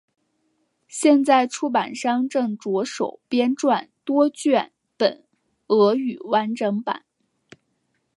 现在出版商正着手编撰多卷本俄语完整版。